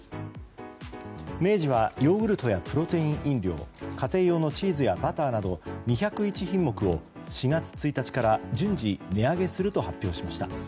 明治はヨーグルトやプロテイン飲料家庭用のチーズやバターなど２０１品目を４月１日から順次値上げすると発表しました。